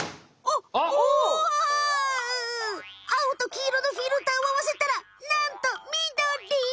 あおときいろのフィルターをあわせたらなんとみどり！